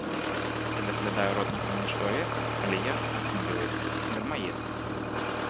Я даглядаю роднага мне чалавека, але я, атрымліваецца, дармаед?